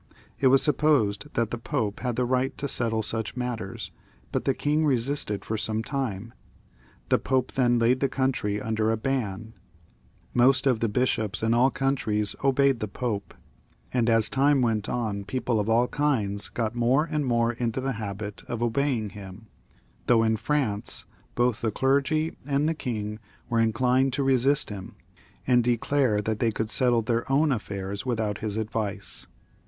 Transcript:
It was supposed that the Pope had the right to settle such matters, but the king resisted for some time. The Pope then laid the country under a ban. I have already said that most of the bishops in all countries obeyed 58 ROBERT. [CH. the Pope, and a6 time went on people of all kinds got more and more into the habit of obeying him, though in France both the clergy and the king were inclined to resist him, and declare that they could Settle their own affairs without his advice.